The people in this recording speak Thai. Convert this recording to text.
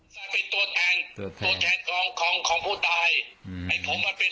เพราะว่าตัวเนษศัยพึ่งเข้ามาใหม่เขาอยู่ภัยรู้เรื่อง